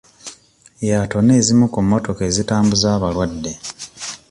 Yatona ezimu ku mmotoka ezitambuza abalwadde.